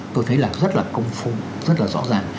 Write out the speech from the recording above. tôi thấy là rất là công phu rất là rõ ràng